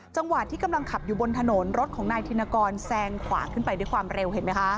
จังหวะที่กำลังขับอยู่บนถนนรถของนายธินกรแซงขวาขึ้นไปด้วยความเร็วเห็นไหมคะ